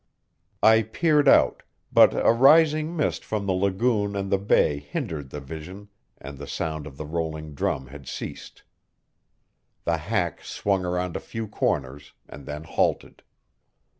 I peered out, but a rising mist from the lagoon and the bay hindered the vision, and the sound of the rolling drum had ceased. The hack swung around a few corners, and then halted.